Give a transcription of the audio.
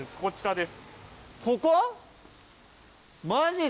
こちらです！